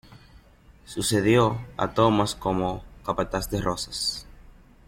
Sucedió a Thomas como capataz de rosas.